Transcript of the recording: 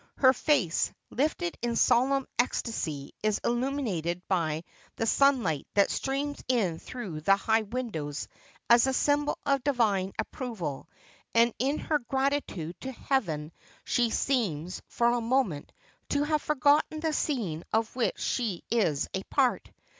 Her face, lifted in solemn ecstasy, is illumined by the sun light that streams in through the high windows as a symbol of divine approval, and in her gratitude to heaven she seems, for a moment, to have forgotten the scene of which she is a part.